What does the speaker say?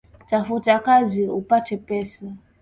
Tafuta kazi upate pesa